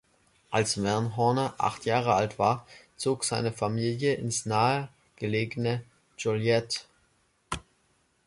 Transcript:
Als Van Horne acht Jahre alt war, zog seine Familie ins nahe gelegene Joliet.